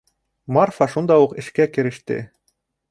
Марфа шунда уҡ эшкә кереште.